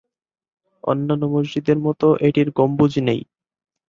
অন্যান্য মসজিদের মতো এটির গম্বুজ নেই।